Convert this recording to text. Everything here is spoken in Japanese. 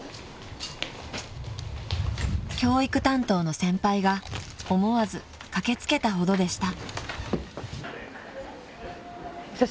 ［教育担当の先輩が思わず駆け付けたほどでした］